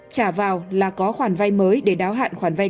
trả vào là có khoản vay mới để đáo hạn khoản vay